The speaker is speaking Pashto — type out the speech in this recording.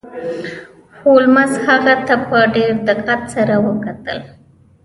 هولمز هغه ته په ډیر دقت سره وکتل.